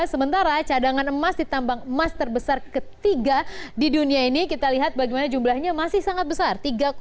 sementara cadangan emas di tambang emas terbesar ketiga di dunia ini kita lihat bagaimana jumlahnya masih sangat besar